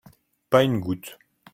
Pas une goutte.